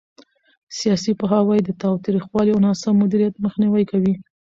سیاسي پوهاوی د تاوتریخوالي او ناسم مدیریت مخنیوي کوي